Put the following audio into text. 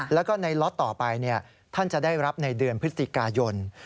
แล้วก็ในล็อตต่อไปท่านจะได้รับในเดือนพฤศจิกายน